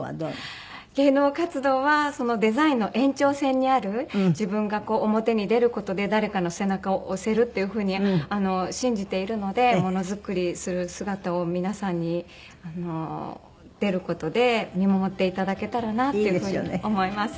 芸能活動はデザインの延長線にある自分が表に出る事で誰かの背中を押せるっていう風に信じているのでものづくりする姿を皆さんに出る事で見守っていただけたらなっていう風に思います。